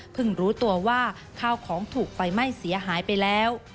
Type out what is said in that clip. รู้ตัวว่าข้าวของถูกไฟไหม้เสียหายไปแล้ว